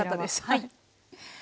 はい。